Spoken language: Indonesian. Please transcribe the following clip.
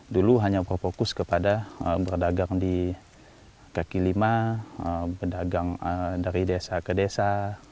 dulu hanya berfokus kepada berdagang di kaki lima berdagang dari desa ke desa